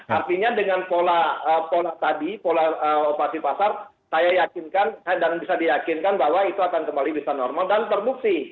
artinya dengan pola tadi pola operasi pasar saya yakinkan dan bisa diyakinkan bahwa itu akan kembali bisa normal dan terbukti